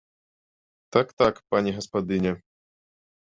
Так, так, пані гаспадыня.